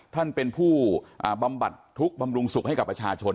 ท่านเป็นผู้บำบัดทุกข์บำรุงสุขให้กับประชาชน